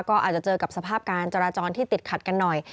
ก็อาจจะเจอกับสภาพการจราจรที่ติดขัดกันหน่อย